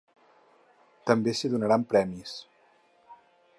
També s’hi donaran premis.